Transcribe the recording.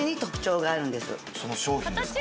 その商品ですか？